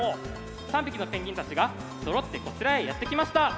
３匹のペンギンたちがそろってこちらへやって来ました。